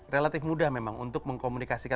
relatif mudah memang untuk mengkomunikasikan